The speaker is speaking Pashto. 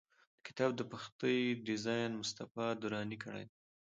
د کتاب د پښتۍ ډیزاین مصطفی دراني کړی دی.